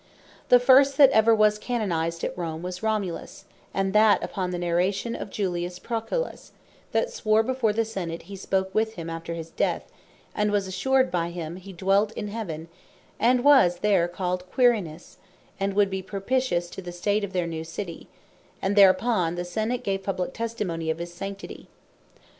The first that ever was canonized at Rome, was Romulus, and that upon the narration of Julius Proculus, that swore before the Senate, he spake with him after his death, and was assured by him, he dwelt in Heaven, and was there called Quirinius, and would be propitious to the State of their new City: And thereupon the Senate gave Publique Testimony of his Sanctity.